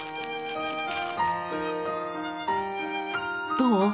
どう？